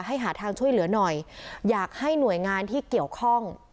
หาทางช่วยเหลือหน่อยอยากให้หน่วยงานที่เกี่ยวข้อง